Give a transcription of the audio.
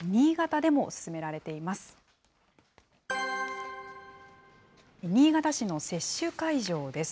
新潟市の接種会場です。